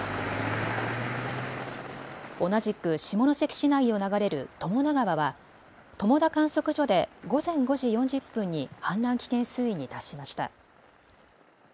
同じく下関市内を流れる友田川は友田観測所で午前５時４０分に氾濫危険水位に達しました。